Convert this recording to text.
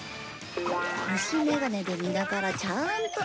虫眼鏡で見ながらちゃんと遊べる。